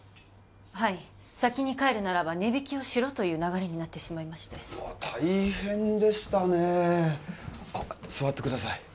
はい「先に帰るならば値引きをしろ」という流れになってしまいまして大変でしたねあっ座ってください